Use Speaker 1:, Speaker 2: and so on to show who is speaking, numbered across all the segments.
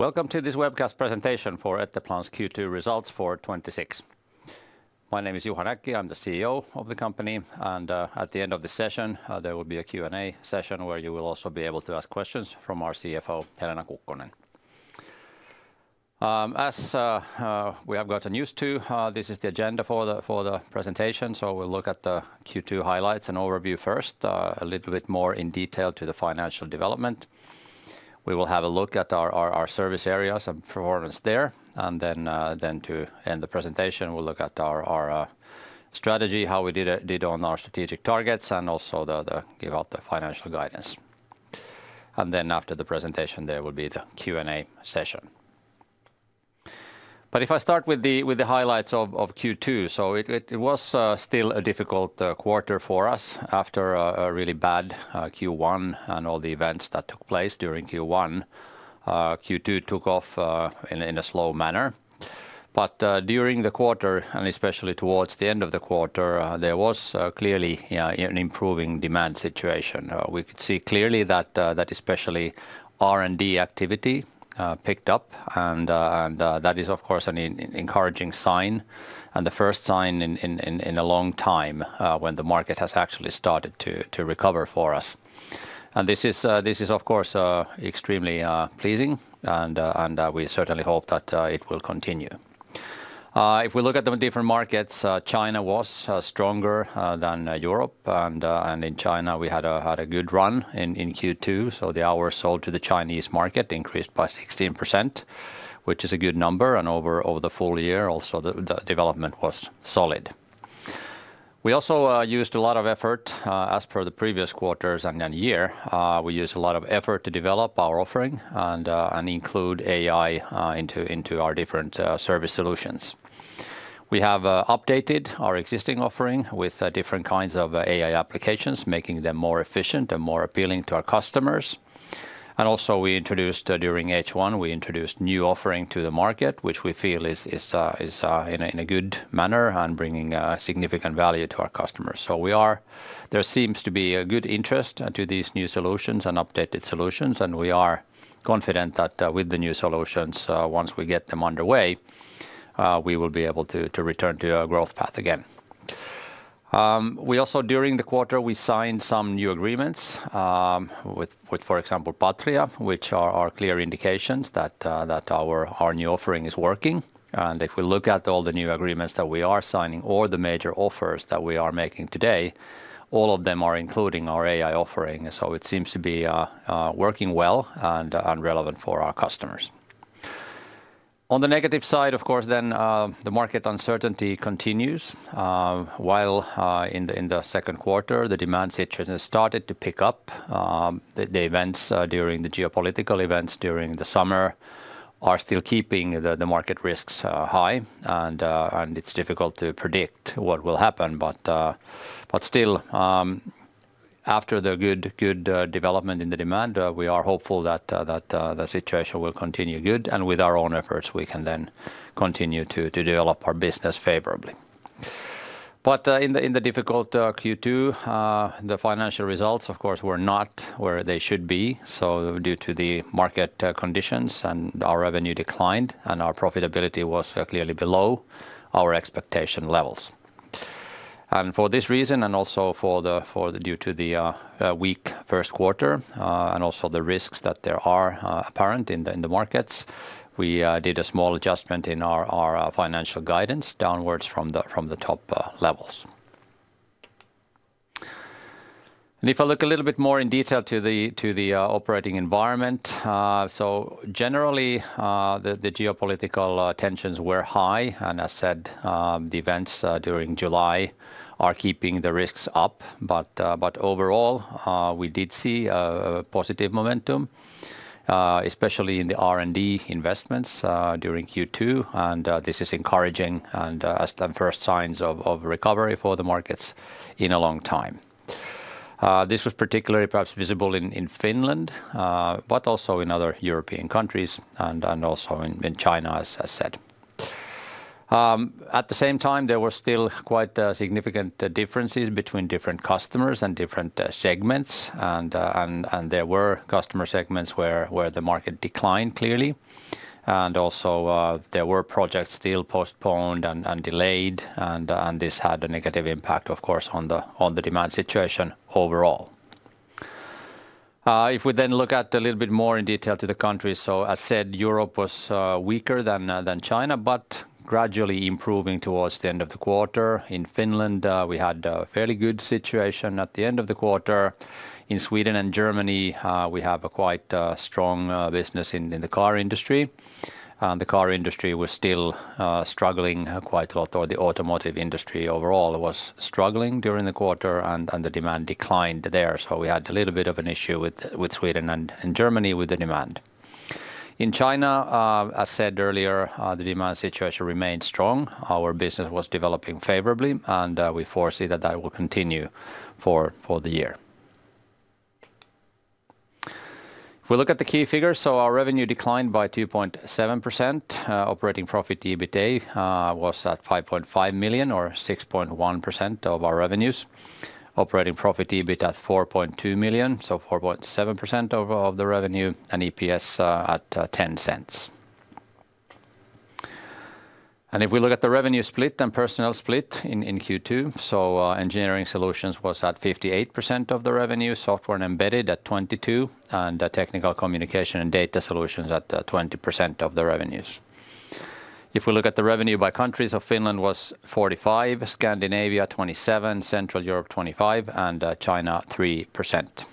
Speaker 1: Welcome to this webcast presentation for Etteplan's Q2 results for 2026. My name is Juha Näkki, I'm the CEO of the company. At the end of the session, there will be a Q&A session where you will also be able to ask questions from our CFO, Helena Kukkonen. As we have gotten used to, this is the agenda for the presentation. We'll look at the Q2 highlights and overview first, a little bit more in detail to the financial development. We will have a look at our service areas and performance there. To end the presentation, we'll look at our strategy, how we did on our strategic targets, and also give out the financial guidance. After the presentation, there will be the Q&A session. If I start with the highlights of Q2. It was still a difficult quarter for us after a really bad Q1 and all the events that took place during Q1. Q2 took off in a slow manner. During the quarter, and especially towards the end of the quarter, there was clearly an improving demand situation. We could see clearly that especially R&D activity picked up and that is, of course, an encouraging sign and the first sign in a long time when the market has actually started to recover for us. This is, of course, extremely pleasing and we certainly hope that it will continue. If we look at the different markets, China was stronger than Europe. In China, we had a good run in Q2, so the hours sold to the Chinese market increased by 16%, which is a good number, and over the full year also, the development was solid. We also used a lot of effort, as per the previous quarters and year, we used a lot of effort to develop our offering and include AI into our different service solutions. We have updated our existing offering with different kinds of AI applications, making them more efficient and more appealing to our customers. Also we introduced during H1, we introduced new offering to the market, which we feel is in a good manner and bringing significant value to our customers. There seems to be a good interest to these new solutions and updated solutions, and we are confident that with the new solutions, once we get them underway, we will be able to return to our growth path again. We also, during the quarter, we signed some new agreements with, for example, Patria, which are clear indications that our new offering is working. If we look at all the new agreements that we are signing or the major offers that we are making today, all of them are including our AI offering. It seems to be working well and relevant for our customers. On the negative side, of course, then the market uncertainty continues. While in the second quarter, the demand situation has started to pick up, the geopolitical events during the summer are still keeping the market risks high and it's difficult to predict what will happen. Still, after the good development in the demand, we are hopeful that the situation will continue good, and with our own efforts, we can then continue to develop our business favorably. In the difficult Q2, the financial results, of course, were not where they should be. Due to the market conditions, our revenue declined, and our profitability was clearly below our expectation levels. For this reason, also due to the weak first quarter, and also the risks that are apparent in the markets, we did a small adjustment in our financial guidance downwards from the top levels. If I look a little bit more in detail to the operating environment. Generally, the geopolitical tensions were high, and as said, the events during July are keeping the risks up. Overall, we did see a positive momentum, especially in the R&D investments during Q2, and this is encouraging and the first signs of recovery for the markets in a long time. This was particularly perhaps visible in Finland, but also in other European countries and also in China, as I said. At the same time, there were still quite significant differences between different customers and different segments. There were customer segments where the market declined clearly. Also, there were projects still postponed and delayed, and this had a negative impact, of course, on the demand situation overall. If we then look a little bit more in detail to the countries, as said, Europe was weaker than China, but gradually improving towards the end of the quarter. In Finland, we had a fairly good situation at the end of the quarter. In Sweden and Germany, we have a quite strong business in the car industry. The car industry was still struggling quite a lot, or the automotive industry overall was struggling during the quarter, and the demand declined there. We had a little bit of an issue with Sweden and Germany with the demand. In China, as said earlier, the demand situation remained strong. Our business was developing favorably, and we foresee that that will continue for the year. If we look at the key figures, our revenue declined by 2.7%. Operating profit, EBITA, was at 5.5 million or 6.1% of our revenues. Operating profit, EBIT at 4.2 million, 4.7% of the revenue, and EPS at 0.10. If we look at the revenue split and personnel split in Q2, Engineering Solutions was at 58% of the revenue, Software and Embedded at 22%, and Technical Communication and Data Solutions at 20% of the revenues. If we look at the revenue by countries, Finland was 45%, Scandinavia 27%, Central Europe 25%, and China 3%.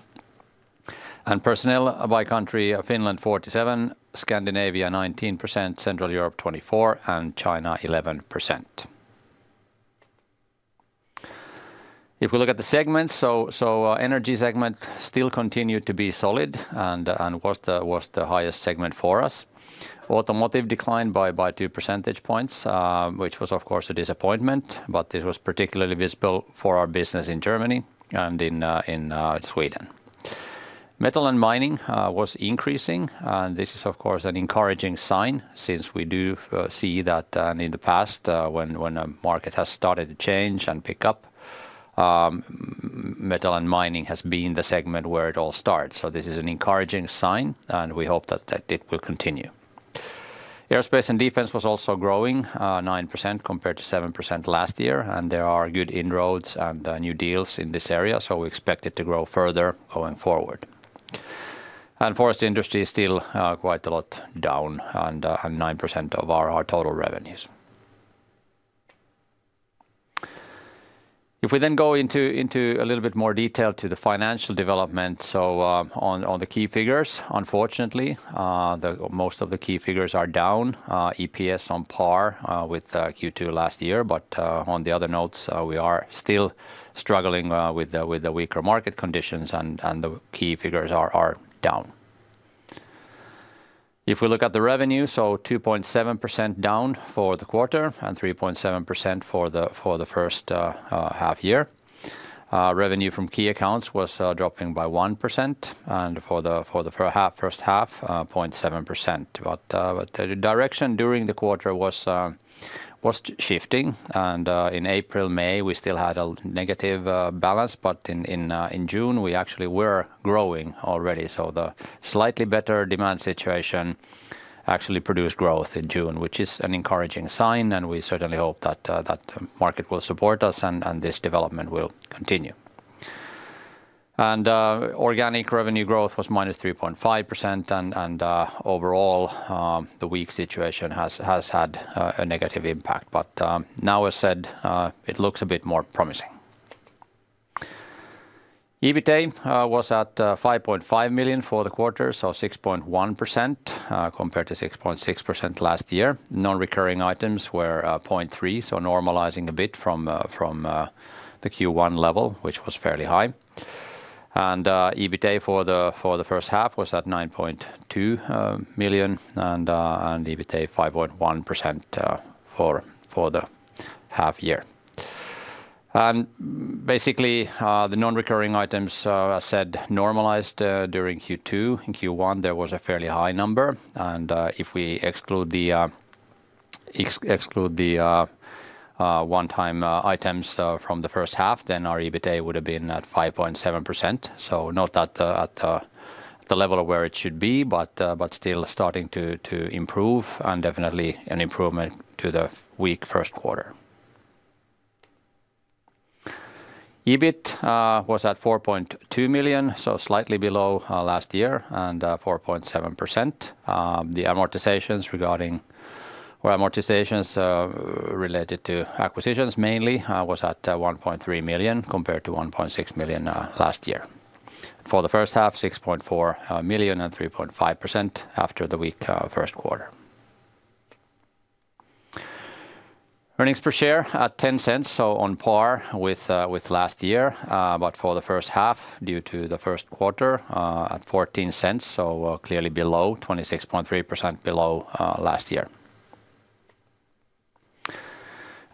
Speaker 1: Personnel by country: Finland 47%, Scandinavia 19%, Central Europe 24%, and China 11%. If we look at the segments, Energy segment still continued to be solid and was the highest segment for us. Automotive declined by 2 percentage points, which was, of course, a disappointment, but it was particularly visible for our business in Germany and in Sweden. Metal and Mining was increasing. This is, of course, an encouraging sign since we do see that in the past when a market has started to change and pick up, Metal and Mining has been the segment where it all starts. This is an encouraging sign, and we hope that it will continue. Aerospace and Defense was also growing 9% compared to 7% last year. There are good inroads and new deals in this area, we expect it to grow further going forward. Forest Industry is still quite a lot down and at 9% of our total revenues. On the key figures, unfortunately, most of the key figures are down. EPS on par with Q2 last year. We are still struggling with the weaker market conditions, and the key figures are down. Revenue 2.7% down for the quarter and 3.7% for the first half-year. Revenue from key accounts was dropping by 1%, and for the first half, 0.7%. The direction during the quarter was shifting. In April, May, we still had a negative balance, but in June, we actually were growing already. The slightly better demand situation actually produced growth in June, which is an encouraging sign, and we certainly hope that the market will support us and this development will continue. Organic revenue growth was -3.5%, and overall, the weak situation has had a negative impact. Now, as I said, it looks a bit more promising. EBITA was at 5.5 million for the quarter, 6.1% compared to 6.6% last year. Non-recurring items were 0.3, normalizing a bit from the Q1 level, which was fairly high. EBITA for the first half was at 9.2 million, and EBITA 5.1% for the half year. The non-recurring items, as said, normalized during Q2. In Q1, there was a fairly high number. If we exclude the one-time items from the first half, then our EBITA would have been at 5.7%. Not at the level of where it should be, but still starting to improve and definitely an improvement to the weak first quarter. EBIT was at 4.2 million, slightly below last year, and 4.7%. The amortizations related to acquisitions mainly was at 1.3 million compared to 1.6 million last year. For the first half, 6.4 million and 3.5% after the weak first quarter. Earnings per share at 0.10, on par with last year. For the first half, due to the first quarter, at 0.14, clearly below, 26.3% below last year.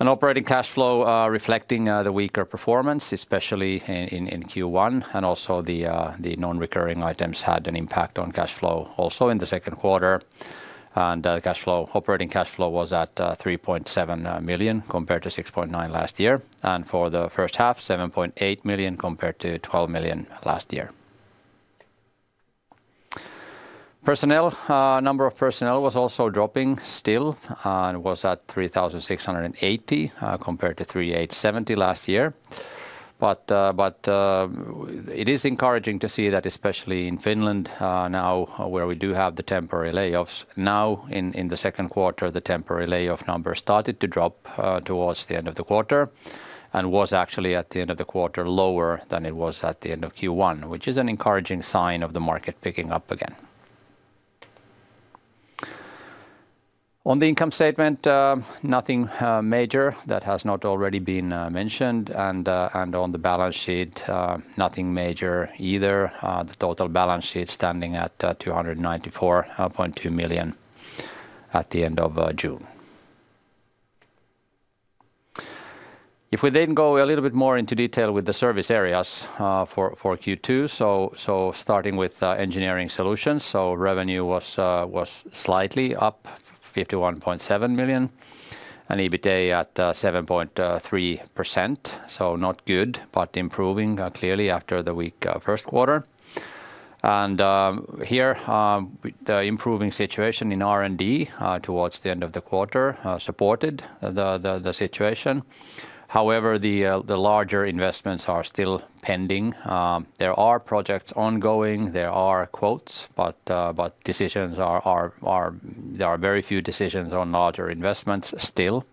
Speaker 1: Operating cash flow reflecting the weaker performance, especially in Q1. The non-recurring items had an impact on cash flow also in the second quarter. Operating cash flow was at 3.7 million compared to 6.9 million last year. For the first half, 7.8 million compared to 12 million last year. Personnel. Number of personnel was also dropping still and was at 3,680 compared to 3,870 last year. It is encouraging to see that, especially in Finland now, where we do have the temporary layoffs, now in the second quarter, the temporary layoff numbers started to drop towards the end of the quarter and was actually at the end of the quarter lower than it was at the end of Q1, which is an encouraging sign of the market picking up again. On the income statement, nothing major that has not already been mentioned. On the balance sheet, nothing major either. The total balance sheet standing at 294.2 million at the end of June. Starting with Engineering Solutions. Revenue was slightly up, 51.7 million, and EBITA at 7.3%. Not good, but improving clearly after the weak first quarter. Here, the improving situation in R&D towards the end of the quarter supported the situation. However, the larger investments are still pending. There are projects ongoing, there are quotes, but there are very few decisions on larger investments still.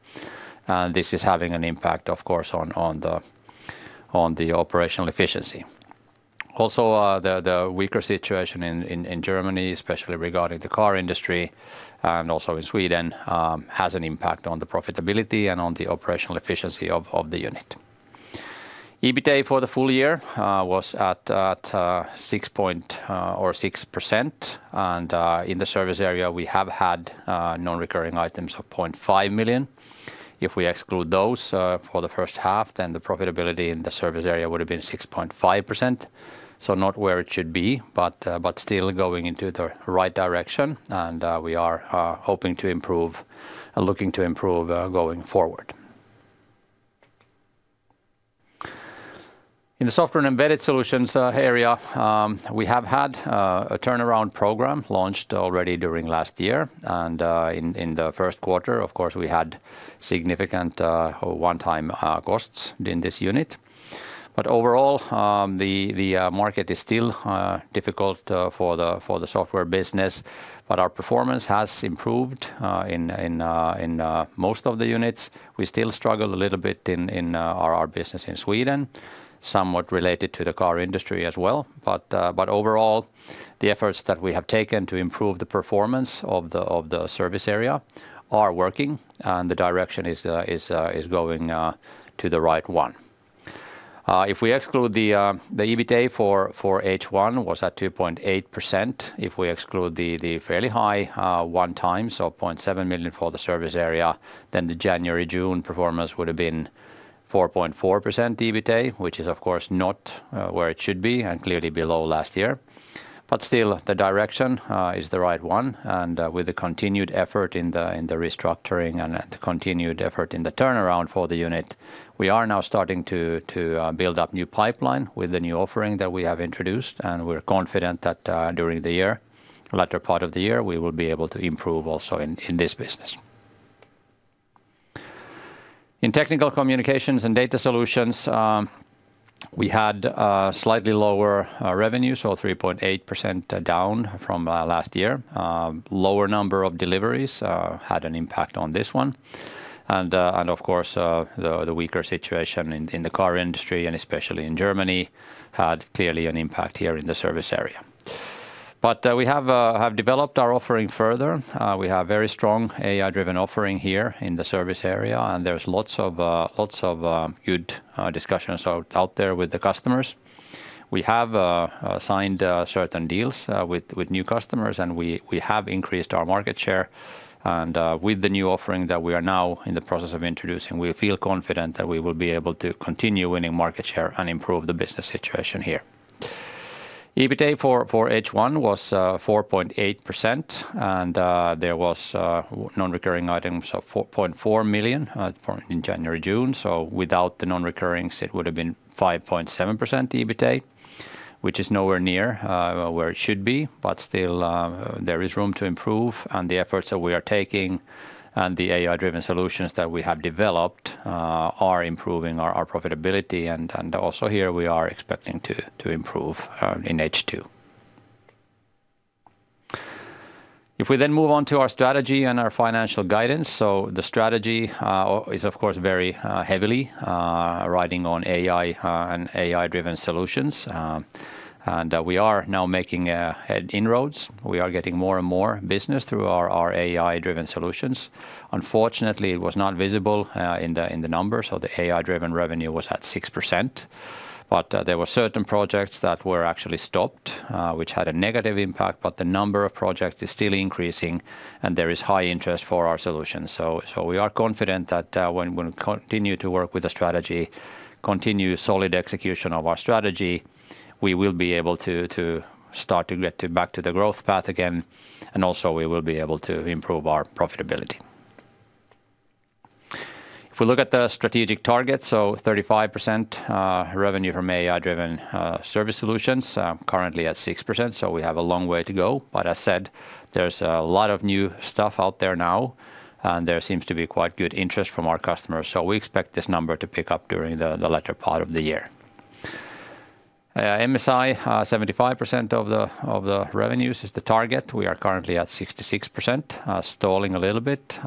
Speaker 1: This is having an impact, of course, on the operational efficiency. Also, the weaker situation in Germany, especially regarding the car industry, and also in Sweden, has an impact on the profitability and on the operational efficiency of the unit. EBITA for the full year was at 6%. In the service area, we have had non-recurring items of 0.5 million. If we exclude those for the first half, then the profitability in the service area would have been 6.5%. Not where it should be, but still going into the right direction. We are hoping to improve and looking to improve going forward. In the Software and Embedded Solutions area, we have had a turnaround program launched already during last year. In the first quarter, of course, we had significant one-time costs in this unit. Overall, the market is still difficult for the software business, but our performance has improved in most of the units. We still struggle a little bit in our business in Sweden, somewhat related to the car industry as well. Overall, the efforts that we have taken to improve the performance of the service area are working, and the direction is going to the right one. If we exclude the EBITA for H1 was at 2.8%. If we exclude the fairly high one-time, so 0.7 million for the service area, then the January, June performance would have been 4.4% EBITA, which is, of course, not where it should be, and clearly below last year. Still, the direction is the right one, and with the continued effort in the restructuring and the continued effort in the turnaround for the unit, we are now starting to build up new pipeline with the new offering that we have introduced, and we're confident that during the year, latter part of the year, we will be able to improve also in this business. In Technical Communication and Data Solutions, we had slightly lower revenue, so 3.8% down from last year. Lower number of deliveries had an impact on this one. Of course, the weaker situation in the car industry, and especially in Germany, had clearly an impact here in the service area. We have developed our offering further. We have very strong AI-driven offering here in the service area, and there's lots of good discussions out there with the customers. We have signed certain deals with new customers. We have increased our market share. With the new offering that we are now in the process of introducing, we feel confident that we will be able to continue winning market share and improve the business situation here. EBITA for H1 was 4.8%. There was non-recurring items of 0.4 million in January-June. Without the non-recurring, it would have been 5.7% EBITA, which is nowhere near where it should be, but still there is room to improve. The efforts that we are taking and the AI-driven solutions that we have developed are improving our profitability, and also here we are expecting to improve in H2. If we then move on to our strategy and our financial guidance, the strategy is, of course, very heavily riding on AI and AI-driven solutions. We are now making inroads. We are getting more and more business through our AI-driven solutions. Unfortunately, it was not visible in the numbers. The AI-driven revenue was at 6%, but there were certain projects that were actually stopped, which had a negative impact, but the number of projects is still increasing, and there is high interest for our solutions. We are confident that when we continue to work with a strategy, continue solid execution of our strategy, we will be able to start to get back to the growth path again, and also we will be able to improve our profitability. If we look at the strategic targets, 35% revenue from AI-driven service solutions, currently at 6%, we have a long way to go. As I said, there's a lot of new stuff out there now, and there seems to be quite good interest from our customers. We expect this number to pick up during the latter part of the year. MSI, 75% of the revenues is the target. We are currently at 66%, stalling a little bit.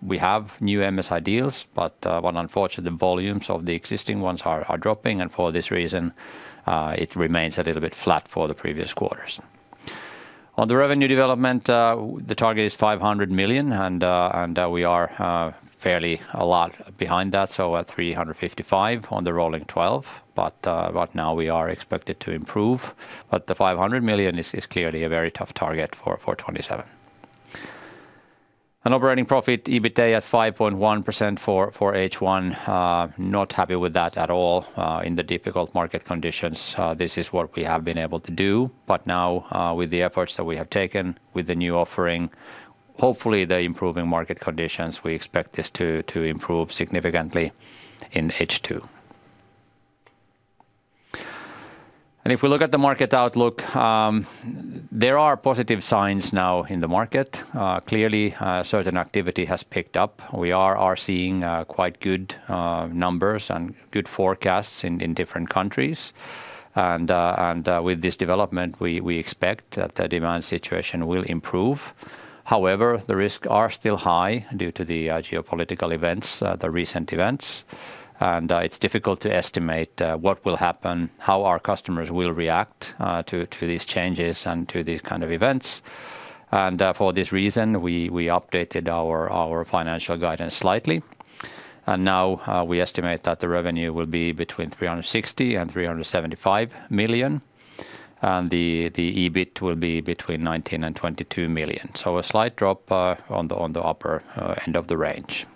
Speaker 1: We have new MSI deals, unfortunately, the volumes of the existing ones are dropping, and for this reason, it remains a little bit flat for the previous quarters. On the revenue development, the target is 500 million, we are fairly a lot behind that, at 355 million on the rolling 12. Now we are expected to improve, the 500 million is clearly a very tough target for 2027. Operating profit EBITA at 5.1% for H1. Not happy with that at all. In the difficult market conditions, this is what we have been able to do. Now, with the efforts that we have taken with the new offering Hopefully, the improving market conditions, we expect this to improve significantly in H2. If we look at the market outlook, there are positive signs now in the market. Clearly, certain activity has picked up. We are seeing quite good numbers and good forecasts in different countries. With this development, we expect that the demand situation will improve. However, the risks are still high due to the geopolitical events, the recent events. It's difficult to estimate what will happen, how our customers will react to these changes and to these kind of events. For this reason, we updated our financial guidance slightly. Now we estimate that the revenue will be between 360 million and 375 million, and the EBIT will be between 19 million and 22 million. A slight drop on the upper end of the range.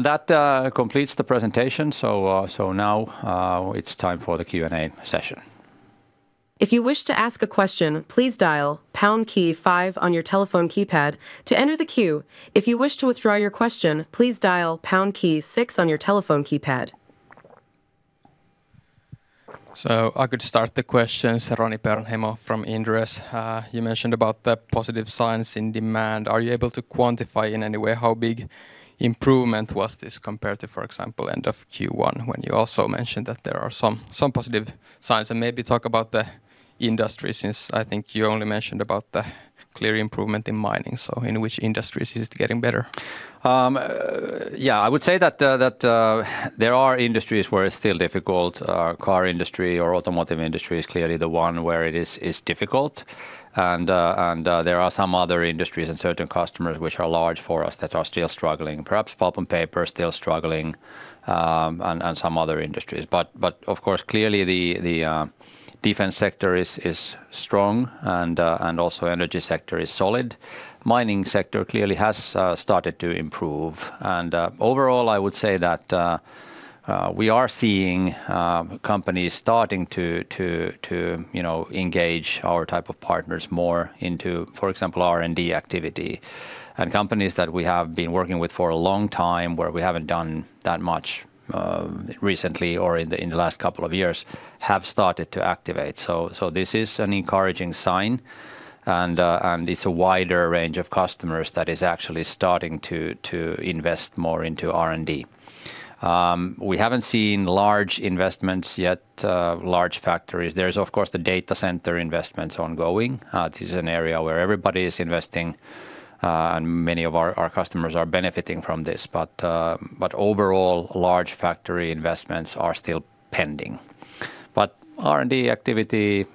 Speaker 1: That completes the presentation. Now it's time for the Q&A session.
Speaker 2: If you wish to ask a question, please dial pound key five on your telephone keypad to enter the queue. If you wish to withdraw your question, please dial pound key six on your telephone keypad.
Speaker 3: I could start the questions. Roni Peuranheimo from Inderes. You mentioned about the positive signs in demand. Are you able to quantify in any way how big improvement was this compared to, for example, end of Q1 when you also mentioned that there are some positive signs? Maybe talk about the industry since I think you only mentioned about the clear improvement in mining. In which industries is it getting better?
Speaker 1: I would say that there are industries where it's still difficult. Car industry or automotive industry is clearly the one where it is difficult. There are some other industries and certain customers which are large for us that are still struggling. Perhaps pulp and paper are still struggling, and some other industries. Of course, clearly the defense sector is strong and also energy sector is solid. Mining sector clearly has started to improve. Overall, I would say that we are seeing companies starting to engage our type of partners more into, for example, R&D activity. Companies that we have been working with for a long time, where we haven't done that much recently or in the last couple of years, have started to activate. This is an encouraging sign, and it's a wider range of customers that is actually starting to invest more into R&D. We haven't seen large investments yet, large factories. There's of course the data center investments ongoing. This is an area where everybody is investing, and many of our customers are benefiting from this. Overall, large factory investments are still pending. R&D activity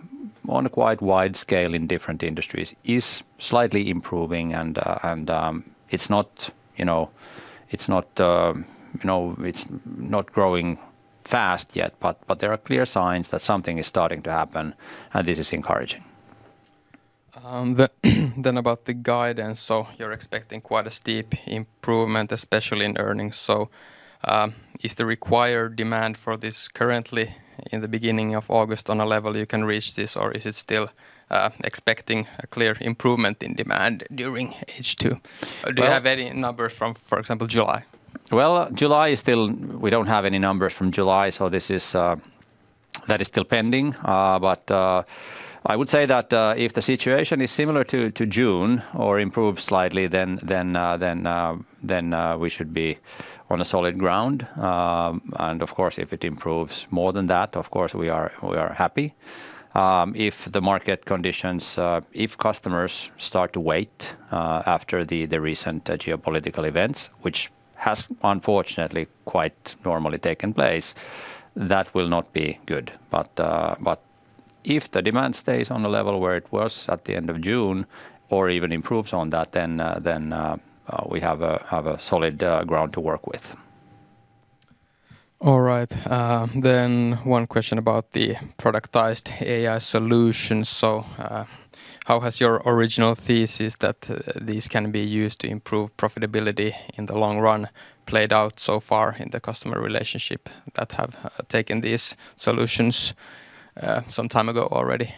Speaker 1: on a quite wide scale in different industries is slightly improving, and it's not growing fast yet, but there are clear signs that something is starting to happen, and this is encouraging.
Speaker 3: About the guidance. You're expecting quite a steep improvement, especially in earnings. Is the required demand for this currently in the beginning of August on a level you can reach this or is it still expecting a clear improvement in demand during H2?
Speaker 1: Well—
Speaker 3: Do you have any numbers from, for example, July?
Speaker 1: We don't have any numbers from July, that is still pending. I would say that if the situation is similar to June or improves slightly, we should be on a solid ground. Of course, if it improves more than that, of course, we are happy. If customers start to wait after the recent geopolitical events, which has unfortunately quite normally taken place, that will not be good. If the demand stays on a level where it was at the end of June or even improves on that, we have a solid ground to work with.
Speaker 3: All right. One question about the productized AI solution. How has your original thesis that these can be used to improve profitability in the long run played out so far in the customer relationship that have taken these solutions some time ago already?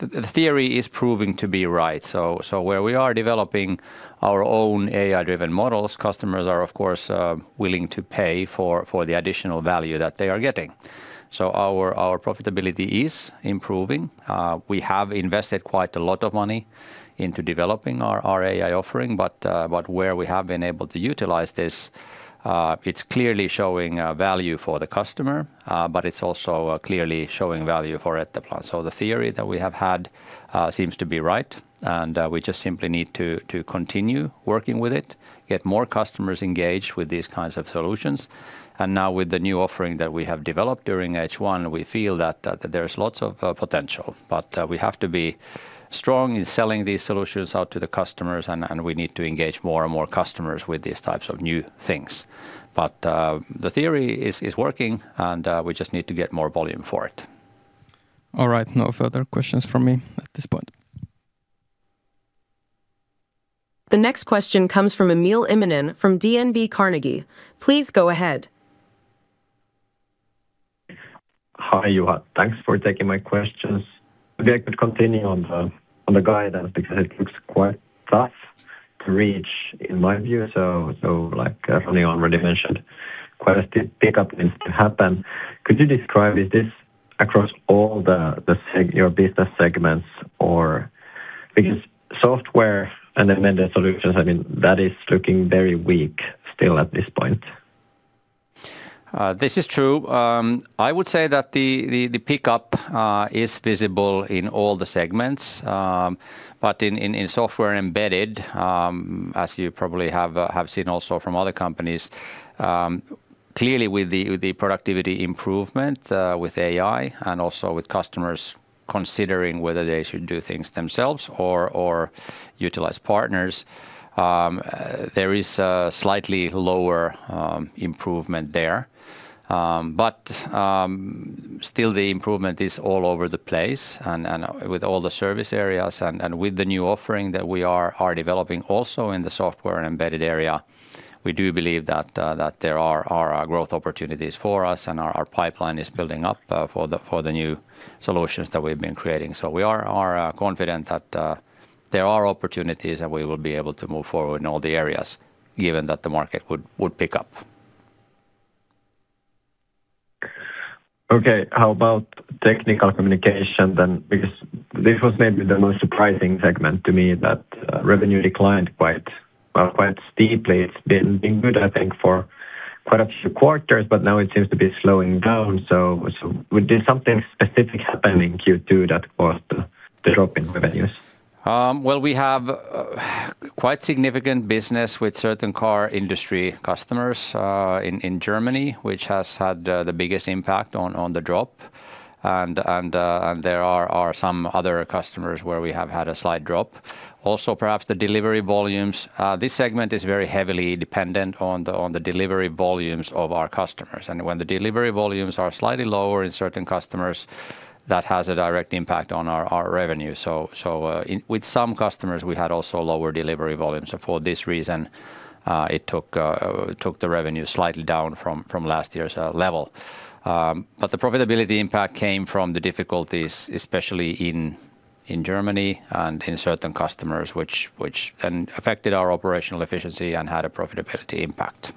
Speaker 1: The theory is proving to be right. Where we are developing our own AI-driven models, customers are of course willing to pay for the additional value that they are getting. Our profitability is improving. We have invested quite a lot of money into developing our AI offering, but where we have been able to utilize this, it's clearly showing value for the customer, but it's also clearly showing value for Etteplan. The theory that we have had seems to be right, we just simply need to continue working with it, get more customers engaged with these kinds of solutions. Now with the new offering that we have developed during H1, we feel that there is lots of potential. We have to be strong in selling these solutions out to the customers, we need to engage more and more customers with these types of new things. The theory is working, we just need to get more volume for it.
Speaker 3: All right. No further questions from me at this point.
Speaker 2: The next question comes from Emil Immonen from DNB Carnegie. Please go ahead.
Speaker 4: Hi, Juha. Thanks for taking my questions. Maybe I could continue on the guidance because it looks quite tough to reach in my view. Like Roni already mentioned, quite a steep pickup needs to happen. Could you describe, is this across all your business segments? Because Software and Embedded Solutions, that is looking very weak still at this point.
Speaker 1: This is true. I would say that the pickup is visible in all the segments. In Software and Embedded, as you probably have seen also from other companies, clearly with the productivity improvement with AI and also with customers considering whether they should do things themselves or utilize partners, there is a slightly lower improvement there. Still the improvement is all over the place and with all the service areas and with the new offering that we are developing also in the Software and Embedded area, we do believe that there are growth opportunities for us and our pipeline is building up for the new solutions that we've been creating. We are confident that there are opportunities and we will be able to move forward in all the areas, given that the market would pick up.
Speaker 4: Okay, how about Technical Communication then? Because this was maybe the most surprising segment to me that revenue declined quite steeply. It's been good, I think, for quite a few quarters, but now it seems to be slowing down. Was there something specific happening in Q2 that caused the drop in revenues?
Speaker 1: Well, we have quite significant business with certain car industry customers in Germany, which has had the biggest impact on the drop. There are some other customers where we have had a slight drop. Also, perhaps the delivery volumes. This segment is very heavily dependent on the delivery volumes of our customers. When the delivery volumes are slightly lower in certain customers, that has a direct impact on our revenue. With some customers, we had also lower delivery volumes. For this reason, it took the revenue slightly down from last year's level. The profitability impact came from the difficulties, especially in Germany and in certain customers, and affected our operational efficiency and had a profitability impact.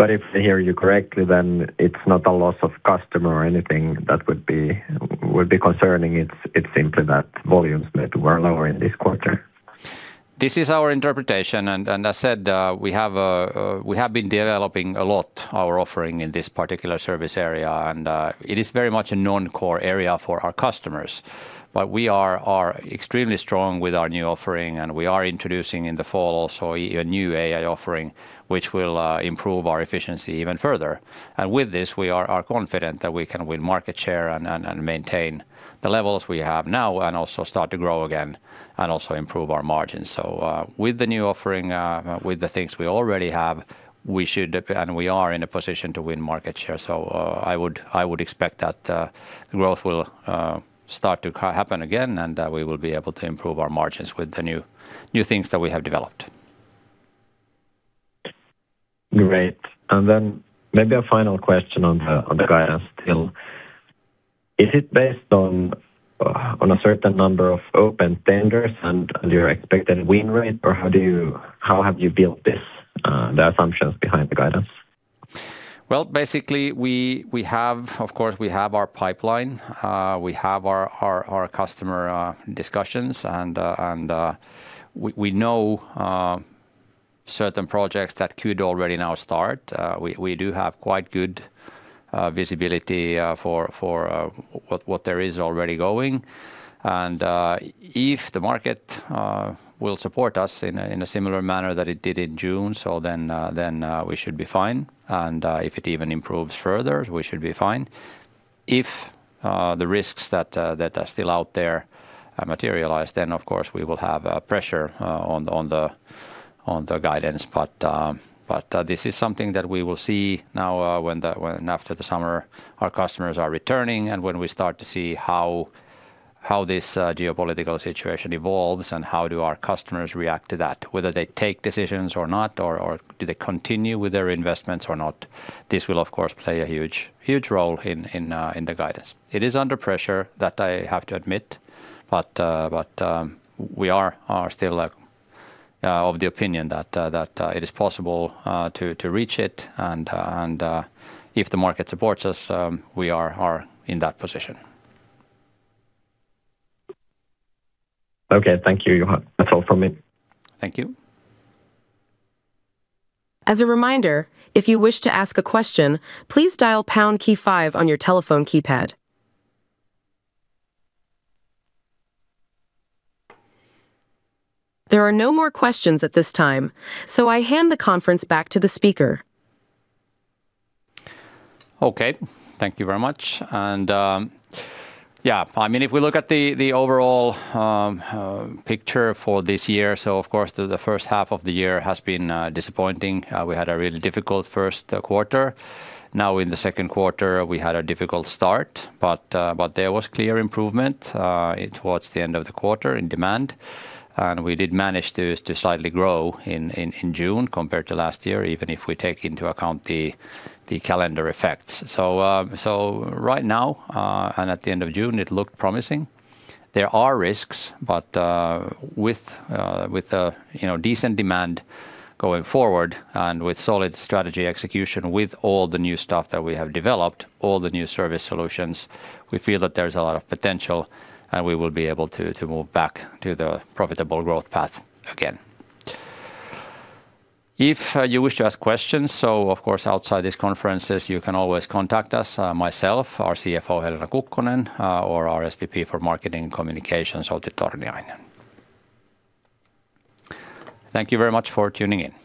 Speaker 4: If I hear you correctly, then it's not a loss of customer or anything that would be concerning. It's simply that volumes were lower in this quarter.
Speaker 1: This is our interpretation, as said we have been developing a lot our offering in this particular service area, and it is very much a non-core area for our customers. We are extremely strong with our new offering, and we are introducing in the fall also a new AI offering, which will improve our efficiency even further. With this, we are confident that we can win market share and maintain the levels we have now and also start to grow again and also improve our margins. With the new offering, with the things we already have, we should, and we are in a position to win market share. I would expect that growth will start to happen again, and that we will be able to improve our margins with the new things that we have developed.
Speaker 4: Great. Then maybe a final question on the guidance still. Is it based on a certain number of open tenders and your expected win rate, or how have you built the assumptions behind the guidance?
Speaker 1: Well, basically, of course, we have our pipeline. We have our customer discussions, and we know certain projects that could already now start. We do have quite good visibility for what there is already going. If the market will support us in a similar manner that it did in June, then we should be fine, and if it even improves further, we should be fine. If the risks that are still out there materialize, then of course we will have pressure on the guidance. This is something that we will see now after the summer our customers are returning and when we start to see how this geopolitical situation evolves and how do our customers react to that, whether they take decisions or not, or do they continue with their investments or not. This will of course play a huge role in the guidance. It is under pressure that I have to admit, we are still of the opinion that it is possible to reach it and if the market supports us, we are in that position.
Speaker 4: Okay. Thank you, Juha. That's all from me.
Speaker 1: Thank you.
Speaker 2: As a reminder, if you wish to ask a question, please dial pound key five on your telephone keypad. There are no more questions at this time, I hand the conference back to the speaker.
Speaker 1: Okay. Thank you very much. If we look at the overall picture for this year, of course, the first half of the year has been disappointing. We had a really difficult first quarter. In the second quarter, we had a difficult start, but there was clear improvement towards the end of the quarter in demand. We did manage to slightly grow in June compared to last year, even if we take into account the calendar effects. Right now, and at the end of June, it looked promising. There are risks, but with decent demand going forward and with solid strategy execution, with all the new stuff that we have developed, all the new service solutions, we feel that there's a lot of potential and we will be able to move back to the profitable growth path again. If you wish to ask questions, of course, outside these conferences, you can always contact us, myself, our CFO, Helena Kukkonen or our SVP for Marketing and Communications, Outi Torniainen. Thank you very much for tuning in.